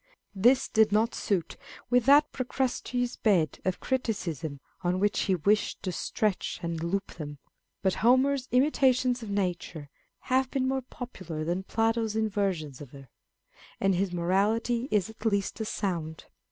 This did not suit with that Pro crustes' bed of criticism on which he wished to stretch and lop them ; but Homer's imitations of nature have been more popular than Plato's inversions of her ; and his morality is at least as sound.